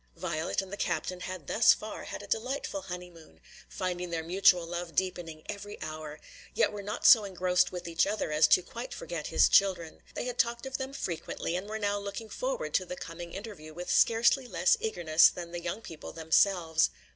Violet and the captain had thus far had a delightful honeymoon, finding their mutual love deepening every hour, yet were not so engrossed with each other as to quite forget his children; they had talked of them frequently, and were now looking forward to the coming interview with scarcely less eagerness than the young people themselves.